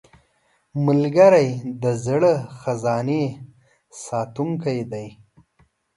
ملګری د زړه خزانې ساتونکی دی